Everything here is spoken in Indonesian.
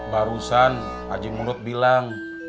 barusan haji murud bilang